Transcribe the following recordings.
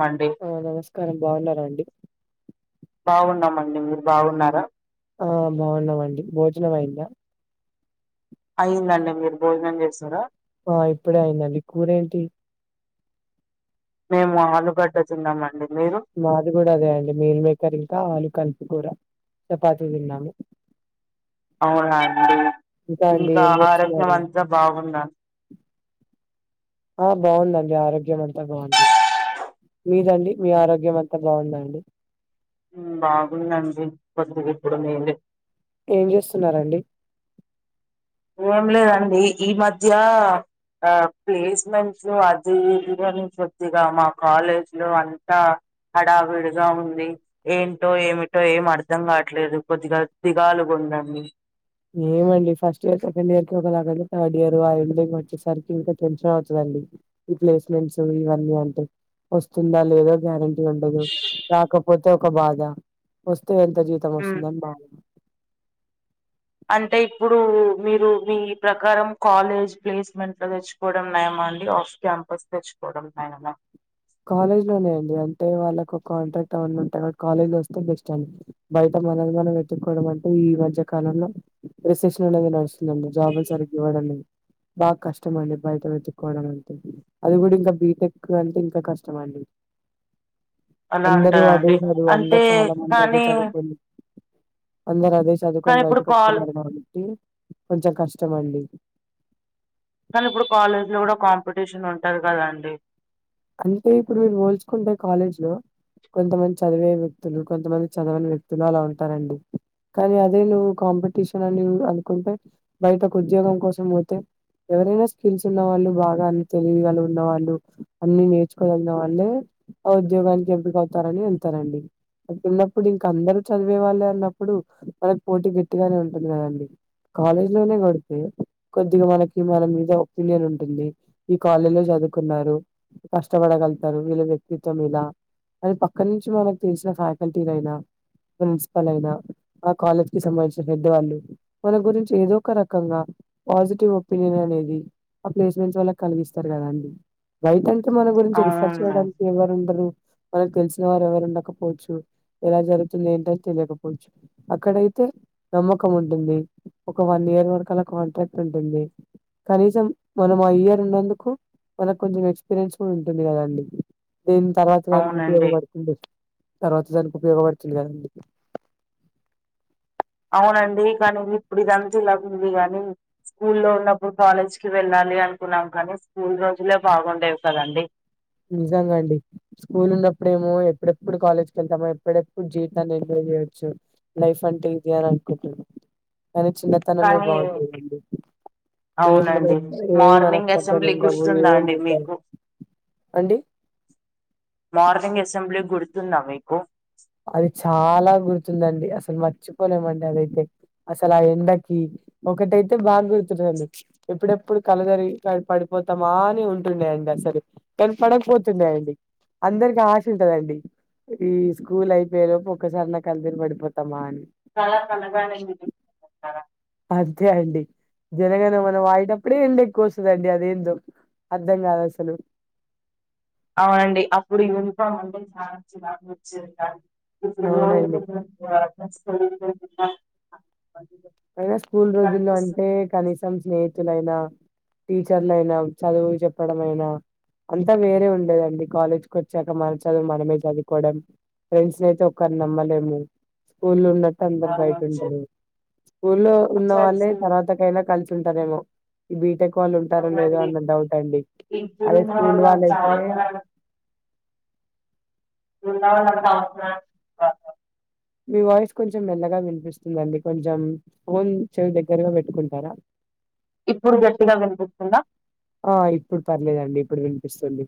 Monday ఆ నమస్కారం బాగున్నారా అండి. బాగున్నామండి. మీరు బాగున్నారా ఆ బాగున్నామండి. బోజనం అయింద. అయిందండి మీరు బోజనం చేస్తురా ఆ ఇప్పుడే అయిందండి. కూరేంటి? మేము ఆలుగడ్డ తిన్నామండి, మీరు మాది కూడా అదే అండి, మీల్ మేకర్ ఇంకా ఆలు కలిపు కూర, చపాతీ తిన్నాను. అవునా అండి. అండి ఇంకా ఏం ఆరోగ్యం చేస్తున్నారు అంతా బాగుంద ఆ బాగుందండి ఆరోగ్యం అంత బాగుంది మీదండి మీ ఆరోగ్యం అంతా బాగుందండి. ఉమ్మ్ బాగుందండి కొద్దిగా ఇప్పుడు మేలే ఏం చేస్తున్నారండి ఏం లేదండి ఈ మధ్య ఆ ప్లేస్మెంట్లు అది ఇది అని కొద్దిగా మా కాలేజ్‌లో అంతా హడావిడిగా ఉంది ఏంటో ఏమిటో ఏం అర్ధం కావట్లేదు కొద్దిగా దిగాలుగుందండి ఏమోండి ఫస్ట్ ఇయర్ సెకండ్ ఇయర్‌కి ఒకలాగండి థర్డ్ ఇయర్ ఆ ఎండింగ్ వచ్చేసరికి ఇంకా టెన్షన్ అవుతాదండి ఈ ప్లేస్మెంట్స్ ఇవన్నీ అంటే వస్తుందా లేదా గ్యారం టీ ఉండదు రాకపోతే ఒక బాధ వస్తే ఎంత జీవితం ఉమ్. వస్తుందని బాధ అంటే ఇప్పుడు మీరు మీ ప్రకారం కాలేజ్ ప్లేస్మెంట్‌లో తెచ్చు కోవడం నయమా అండి ఆఫ్ క్యాంపస్ తెచ్చుకోవడం నయమా కాలేజ్లోనే అండి అంటే వాళ్ళకి ఒక కాంట్రాక్ట్ అవన్నీ ఉంటాయిగా కాలేజ్లో వస్తే బెస్ట్ అండి బయట మనది మనం ఎతుక్కోవడం అంటే ఈ మధ్య కాలంలో రిసెప్షన్ అనేది నడు స్తుందండి జాబులు సరిగ్గా ఇవ్వడండి బాగా కష్టమండి బయట వెతుక్కోవడం అంటే అది కూడా ఇంకా బీటెక్ అంటే ఇం కా కష్టమండి అలా అందరు అంటారా అదే అండి కాదు అంటే అందరు చాలా మంది అదే కానీ చదువుకొని అందరు అదే కానీ చదుకొని ఇప్పుడు బయటకు కాల్ వత్తున్నారు కాబట్టి కొంచెం కష్టమండి కానీ ఇప్పుడు కాలేజ్‌లో కూడా కాంపిటీషన్ ఉంటది కదండి అంటే ఇప్పుడు మీరు పోల్చుకుంటే కాలేజ్లో కొంతమంది చదివే వ్యక్తులు కొంతమంది చదవని వ్యక్తులు అలా ఉంటారండి కానీ అదే నువ్వు కాంపిటీషన్ అని అనుకుంటే బయటకు ఉద్యోగం కోసం పోతే ఎవరైనా స్కిల్స్ ఉన్నవాళ్లు బాగా తెలియగల ఉన్నవాళ్ళు అన్ని నేర్చుకొని ఉన్నా వాళ్ళే ఆ ఉద్యోగానికి ఎంపిక అవుతారని వెళ్తారండి అట్టున్నప్పుడు ఇంక అందరూ చదివే వాళ్ళే అన్నప్పుడు మనకు పోటీ గట్టిగానే ఉంటుంది కదండి కాలేజ్లోనే కొడితే కొద్దిగా మనకి మన మీద ఒపీనియన్ ఉంటుంది ఈ కాలేజ్‌లో చదువుకున్నారు కష్టపడగలుగుతారు వీళ్ళ వ్యక్తిత్వం ఇలా అది పక్కన నుంచి మనకి తెలిసిన ఫ్యాకల్టీ లైనా ప్రిన్సిపల్ అయినా ఆ కాలేజ్‌కి సంబంధించిన హెడ్ వాళ్ళు మన గురించి ఏదో ఒక రకంగా పాజిటివ్ ఒపీనియన్ అనేది ఆ ప్లేస్మెంట్స్ వాళ్లకి కలిగిస్తారు కదండి భయటంటే మన గురించి రిఫర్ అవును చేయడానికి ఎవరు ఉండరు మనకు తెలిసిన వారు ఎవరు ఉండకపోవచ్చు ఎలా జరుగుతుందో ఏంటో అని తెలియకపోవచ్చు అక్కడైతే నమ్మకం ఉంటుంది ఒక వన్ ఇయర్ వరకు అలా కాంట్రాక్ట్ ఉంటుంది కనీసం మనం ఆ ఇయర్ ఉన్నందుకు మనకు కొంచెం ఎక్స్పీరియన్స్ కూడా ఉంటుంది కదండి దీని తర్వాత దానికి అవునండి ఉపయోగపడు తుంది తర్వాత దానికి ఉపయోగపడుతుంది కదండి అవునండి కానీ ఇది ఇప్పుడు ఇదంతా ఇలాగుంది గానీ స్కూల్లో ఉన్నప్పుడు కాలేజ్‌కి వెళ్ళాలి అనుకున్నాం కానీ స్కూల్ రోజులే బాగుండేవి కదండి నిజమే అండి స్కూల్ ఉన్నప్పుడేమో ఎప్పుడెప్పుడు కాలేజ్‌కి ఎళ్తామా ఎప్పుడెప్పుడు జీవితాన్ని ఎంజాయ్ చేయచ్చు లైఫ్ అంటే ఇదాని అనుకుంటున్నా కానీ చిన్నతనమే కానీ బాగుండేదండి ఏం అవునండి మనసులో ఏ మార్నింగ్ మనస్పర్ధలు అసెంబ్లీ ఉండవు గుర్తుందా ఏం అండి ఉండ మీకు అండి మార్నింగ్ అసెంబ్లీ గుర్తుందా మీకు అది చాలా గుర్తుందండి అసలు మర్చిపోలేమండి అదైతే అసలు ఆ ఎండకి ఒక్కటైతే బాగా గుర్తుందండి ఎప్పుడెప్పుడు కల్ తిరిగి పడిపోతామా అని ఉంటుండే అండి అసలు కన పడక పోతుండే అండి అందరికి ఆశ ఉంటదండి ఈ స్కూల్ అయిపోయే లోపు ఒక్కసారన్న కళ్ళు తిరిగి పడిపోతామా అని ఆ [unintelligible] తార అదే అండి జనగణ మన పాడేటప్పుడే ఏండ ఎక్కువ వస్తదండి అదేందో అర్థం కాదు అస్సలు అవునండి అప్పుడు యూనిఫామ్ అంటే చాలా చిరాకు వచ్చేది అవునండి ఇ... అయినా స్కూల్ రోజుల్లో అంటే కనీసం స్నేహితులైనా టీచర్లు అయినా చదువు చెప్పడం అయినా అంతా వేరే ఉండేదండి కాలేజ్కి వచ్చాక మన చదువు మనమే చదువుకోవడం ఫ్రెండ్స్ ని అయితే ఒకర్ని నమ్మలేము స్కూల్ ఉన్నట్టే అందరు బయట అవునండి. ఉండరు స్కూల్లో ఉన్న వాళ్ళే టీచర్స్, తర్వాతకైనా కలిసి ఉంటారేమో ఈ బీటెక్ వాళ్ళు ఉంటారో లేదో అవునండి, అన్న డౌట్ అండి ఇప్పుడు అదే ఉన్న స్కూల్ వాళ్ళు వాళ్ళంత అయితే అవసరానికి ఇ భన్నా [unintelligible] మీ వాయిస్ కొంచెం మెల్లగా వినిపిస్తుందండి కొంచెం ఫోన్ చెవి దగ్గరగా పెట్టుకుంటారా ఆ ఇప్పుడు గట్టిగా వినిపిస్తుందా ఆ ఇప్పుడు పర్లేదండి ఇప్పుడు వినిపిస్తుంది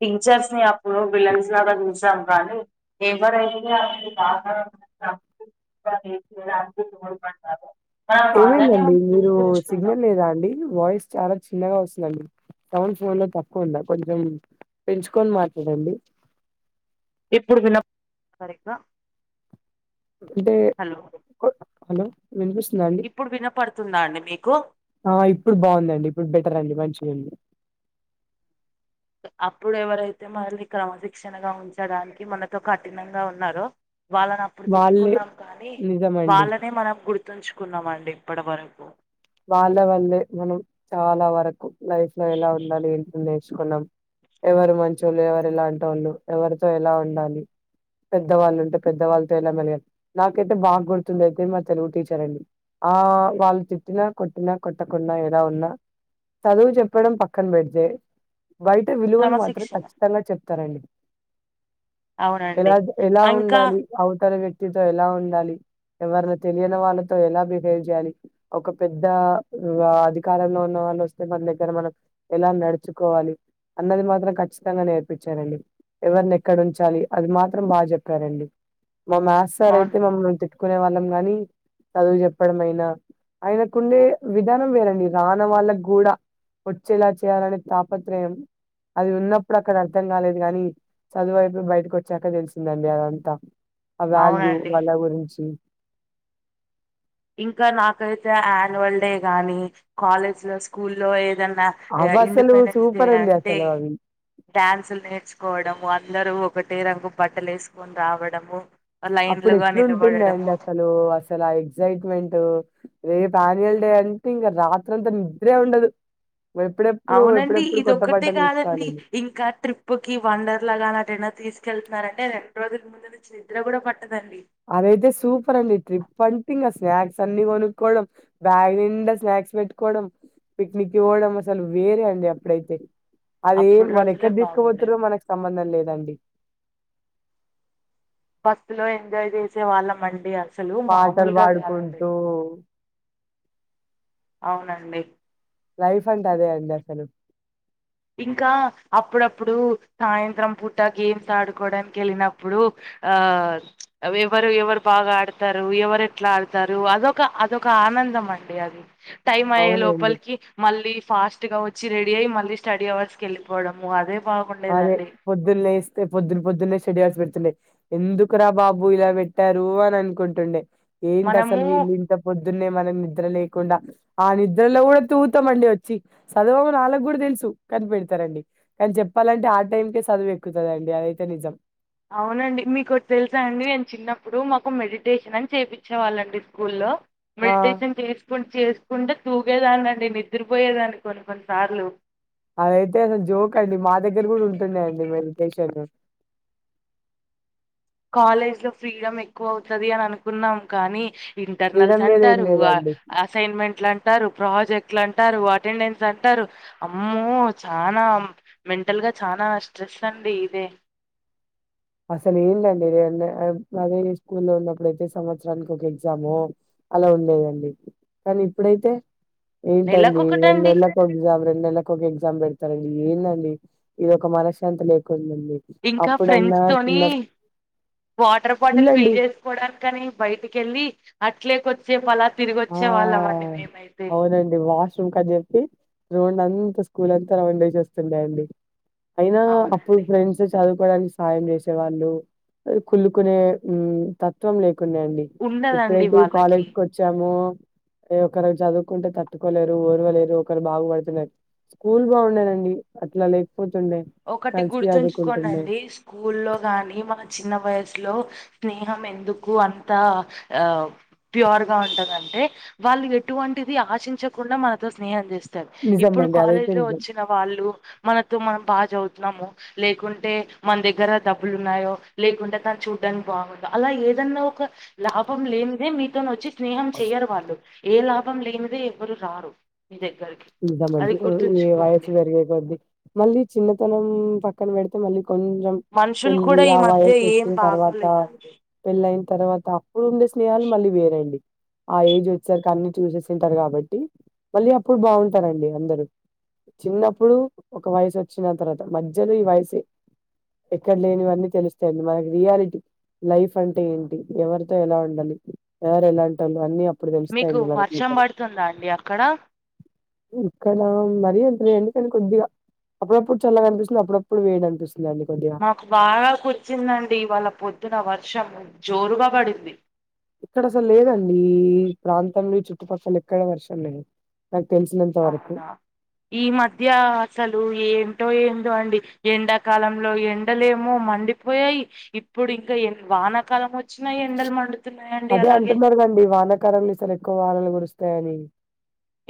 టీచర్స్ ని అప్పుడు విలన్స్ లాగా చూసాం కానీ ఎవరైతే అప్పుడు బాగ తప్పు కానీ [unintelligible] ఏమైందండి మీరు సిగ్నల్ లేదా అండి వాయిస్ చాలా చిన్నగా వస్తుందండి సౌండ్ ఫోన్ లో తక్కువ ఉంద కొంచెం పెంచుకొని మాట్లాడండి ఇప్పుడు విన సరిగ అంటే హలో వినిపిస్తుంద అం ఇప్పుడు వినపడుతుందా అండి మీకు ఆ ఇప్పుడు బాగుందండి ఇప్పుడు బెటర్ అండి మంచిగుంది అప్పుడు ఎవరైతే మనల్ని క్రమశిక్షణగా ఉంచడానికి మనతో కఠినంగా ఉన్నారో వాళ్ళని అప్పుడు వాళ్ళే తిట్టుకున్నాం కానీ నిజమండి వాళ్ళనే మనం గుర్ గుర్తుంచుకున్నామండి ఇప్పటి వరకు వాళ్ళ వల్లే మనం చాలా వరకు లైఫ్ లో ఎలా ఉండాలి ఏంటని నేర్చుకున్నాం ఎవరు మంచోళ్ళు ఎవరు ఇలాంటి వాళ్ళు ఎవరితో ఎలా ఉండాలి పెద్దవాళ్ళు ఉంటే పెద్దవాళ్ళతో ఎలా మలిగల్ నాకైతే బాగా గుర్తుంది అయితె మా తెలుగు టీచర్ అండి ఆ వాళ్ళు త్ ట్టినా కొట్టినా కొట్టకున్నా ఎలా ఉన్నా చదువు చెప్పడం పక్కన పెడితే బయట విలువలు మాత్రం క్రమశిక్షణ ఖచ్చితంగా చెప్తారండి అవునండి ఎలా ఎలా ఆ, ఇంకా ఉండాలి అవుతలీ వ్యక్తితో ఎలా ఉండాలి ఎవర్ని తెలియని వాళ్ళతో ఎలా బిహేవ్ చేయాలి ఒక పెద్ద అధికారంలో ఉన్న వాళ్ళు వస్తే మన దగ్గర మనం ఎలా నడుచుకోవాలి అన్నది మాత్రం ఖచ్చితంగా నేర్పించారండి ఎవరిని ఎక్కడ ఉంచాలి అది మాత్రం బాగా చెప్పారండి మా మాస్ త్ సార్ అయితే అవును మమ్మల్ని తిట్టుకునే వాళ్ళం గాని చదువు చెప్పడం అయినా ఆయనకుండే విధానం వేరండి రాన వాళ్ళకుడా వచ్చేలా చేయాలనే తాపత్రయం అది ఉన్నప్పుడు అక్కడ అర్థం కాలేదు కానీ చదువైపోయి బయటకు వచ్చాక తెలిసిందండి అదంతా ఆ వాల్యూ అవునండి వాళ్ళ గురించి ఇంకా నాకైతే యాన్యువల్ డే గాని కాలేజ్ లో స్కూల్లో ఏదన్నా అవ్వ అసలు ఇండిపెండెన్స్ డే సూపర్ అండి అంటే అసలు అవి డ్యాన్సులు నేర్చుకోవడము అందరూ ఒకటే రంగు బట్టలు వేసుకొని రావడము అప్పుడు లైన్లుగా ఎట్లుంటుందండి నిలబడము అసలు అ అసలు ఆ ఎగ్జైట్మెంట్ రేపూ యాన్నియల్ డే అంటే ఇంకా రాత్రి అంతా నిద్రే ఉండదు వేప్పుడే అవునండి ఇదిక్కటే కాదండి ఇంకా ట్రిప్ ప్పుకి వండర్ లాగా నటిన్న తీసుకెళ్తున్నారంటే రెండు రోజుల ముందు నుంచి నిద్ర కూడా పట్టదండి అదైతే సూపర్ అండి ట్రిప్ అంట ఇంకా స్నాక్స్ అన్ని కొనుక్కోవడం బ్యాగ్ నిండా స్నాక్స్ పెట్టుకోవడం పిక్నిక్ పోవడం అసలు వేరే అండి అప్పుడైతే అది అప్పుడు మన రోజులే ఎక్కడ బాగుండేవి తీసుకోపోతుారో మనకు సంబంధం లేదండి బస్సు లో ఎంజాయ్ చేసే వాళ్ళంమండి అసలు పాటలు మామూలుగా కాదండి. పాడుకుంటూ అవునండి లైఫ్ అంటే అదే అండి అసలు ఇంకా అప్పుడప్పుడు సాయంత్రం పూట గేమ్స్ ఆడుకోడానికి వెళ్ళినప్పుడు. ఆ ఎవరు ఎవరు బాగా ఆడతారు ఎవరు ఎట్లా ఆడతారు అదొక అదొక ఆనందం అండి అద్ టైమ్ అయ్యే అవునండి. లోపలికి మళ్ళీ ఫాస్ట్ గా వచ్చి రెడీ అయ్యి మళ్ళీ స్టడీ అవర్స్ కి ఎళ్ళిపోవడము అదే అదే బాగుండేదండి పొద్దున్నే లేస్తే పొద్దున్న పొద్దున్నే స్టడీ అవర్స్ పెడుతుండే ఎందుకురా బాబు ఇలా పెట్టారు అని అనుకుంటుండే ఏంటి మనము అసలు వీళ్ళింత పొద్దున్నే మనం నిద్ర లేకుండా ఆ నిద్రలో కూడా తూతామండి వచ్చి చదవమని వాళ్లకి గుడ తెలుసు కనిపెడతరండి కానీ చె చెప్పాలంటే ఆ టైంకే చదువు ఎక్కుతదమ్డి అదైతే నిజం. అవునండి మీకు ఓటి తెలుసా అండి నేను చిన్నప్పుడు మాకు మెడిటేషన్ అని చేపిచ్చేవాళ్ళండి స్కూల్లో ఆ మెడిటేషన్ చేసుకుంట చేసుకుంటే తూగేదాన్ని అండి నిద్రపోయేదాన్ని కొన్ని కొన్ని సార్లు అదైతే అసలు జోక్ అండి మా దగ్గర కూడా ఉంటున్నాయండి మెడిటేషన్ కాలేజ్ లో ఫ్రీడమ్ ఎక్కువ అవుతది అని అనుకున్నాం కానీ ఇంటర్నల్స్ ఫ్రీడమ్ లేదు ఏం అంటారు ఆ లేదండి ఆ అసైన్మెంట్లు అంటారు ప్రాజెక్ట్లు అంటారు అటెండెన్స్ అంటారు అమ్మో చానా మెంటల్ గా చానా స్ట్రెస్ అండి ఇదే అసలు ఏండది ఇది అదే నేను స్కూ లో ఉన్నప్పుడయితే సంవత్సరానికోక ఎగ్జాము అలా ఉండేదండి కానీ ఇప్పుడైతే ఏంటండి నెలకొకటండి రెండేళ్ల ఎగ్జామ్ రెండు నెలలకు ఒక ఎగ్జామ్ పెడతారండి ఏందండి ఇది ఒక మనశ్శంత లేకుంది ఇంకా ఫ్రెండ్స్ తోనీ వాటర్ బాటిల్ ఫీల్ ఫుల్లండి చేస్ పోడానికని బయటికెళ్ళి అట్లే కొద్దిసేపు అల తిరిగి వచ్చే వాళ్ళం అ అండి మేమైతే అవునండి వాస్ రూమ్ కానీ చెప్పి రోండ్ అంతా స్కూల్ అంతా రౌండ్ యేసేస్తుండె అండి. అయినా అప్పుడు అవునండి ఫ్రెండ్స్ వస్ చదువుకోవడానికి సాయం చేసే వాళ్ళు కుళ్ళుకునే తత్వం లేకుండేయండి ఉండదండి ఎప్పుడైతే వాళ్ళకి కాలేజ్కి ఓచ్చామో ఏ ఒకరు చదువుకుంటే తట్టుకోలేరు ఓరువలేరు ఒకరు బాగుపడుతున్నా స్కూల్ బాగుండేదండి అట్లా లేకపోతుండే ఒకటి కలిసి గుర్తుంచుకోండి చదువుకుంటుండే అండి స్కూల్లో గాని మా చిన్న వయసులో స్నేహం ఎందుకు అంతా ఆ ప్యూర్గా ఉంటదంటే వాళ్ళు ఎటువంటిది ఆశించకుండ మనతో స్నేహం చేస్ తరు నిజం ఇప్పుడు అండి అదైతే కాలేజ్ లో నిజం వచ్చిన వాళ్ళు మనతో మనం బాగా చదువుతున్నాము. లేకుంటే మన దగ్గర డబ్బులు ఉన్నాయో లేకుంటే తను చూడ్డానికి బాగుండు అలా ఏదన్నా ఒక లాభం లేనిదే మీతోనొచ్చి స్నేహం చెయరు వాళ్ళు ఏ లాభం లేనిదే ఎవరు రారు మీ దగ్గరకి. ఇద్దామండి ఈ వయస్సు పెరిగే కొద్ది మళ్ళీ చిన్నతనం పక్కన పెడితే మళ్ళీ కొంచెం మనుషులు పెళ్ళి కూడా ఈ ఆ మధ్య వయసు ఏం వొచ్చిన తర్వాత బాగోలేదండి పెళ్ళ అయిన తర్వాత అప్పుడు ఉండే స్నేహాలు మళ్ళీ వేరండి. ఆ ఏజ్ వచ్చేసరికి అన్ని చూసేసి ఉంటరు కాబట్టి మళ్ళీ అప్పుడు బావుంటరండి అందరు చిన్నప్పుడు ఒక వయసు వచ్చిన తర్వాత మధ్యలో ఈ వయసే ఎక్కడ లేనివన్నీ తెలుస్తయండి మనకి రియాలిటీ లైఫ్ అంటే ఏంటి ఎవరితో ఎలా ఉండాలి ఎవరు ఎలాంటోళ్లు అన్ని ఇప్పుడు తెలుస్తాయండి మనకి పల్ స్తుందా అండి అక్కడ ఇక్కడ మరీ అంతలేండి కానీ కొద్దిగా అప్పుడప్పుడు చల్ల అనిపిస్తుంది అప్పుడప్పుడు వేడి అనిపిస్తుంది అండి కొద్దిగా మాకు బాగా కుర్చిదండి ఇవాళ పొద్దున వర్షం జోరుగా పడింది ఇక్కడ అసలు లేదండి ఈ ప్రాంతంలో ఈ చుట్టుపక్కల ఎక్కడ వర్షం లేదు నాక్ తెలిసినంత్ అవునా ఈ మధ్య అసలు ఏంటో ఏందో అండి ఎండాకాలంలో ఎండలేమో మండి పోయాయి ఇప్పుడు ఇంకా ఎన్ వానకాలంమో అదే అంటున్నాగ అండి వానకాలము ఈసారి ఎక్కువ వానలు కురుస్తాయని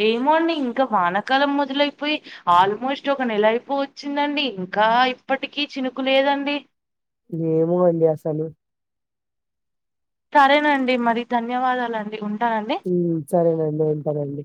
ఏమో అండి ఇంకా వానకాలం మొదలైపోయి ఆల్మోస్ట్ ఒక నెల అయిపోవచ్చిందండి ఇంకా ఇప్పటికీ చినుకు లేదండి ఏమో అండి అసలు సరేనండి మరి ధన్యవాదాలండి ఉంటానండి ఉమ్ సరేనండి ఉంటనండి